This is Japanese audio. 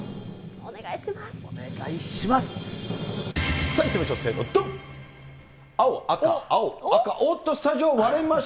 お願いします。